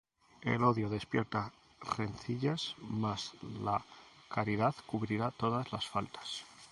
El odio despierta rencillas: Mas la caridad cubrirá todas las faltas.